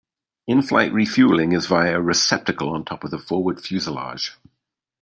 In-flight refueling is via a receptacle on top of the forward fuselage.